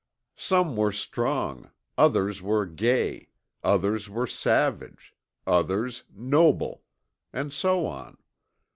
Some were Strong; others were Gay; others were Savage; others Noble. And so on.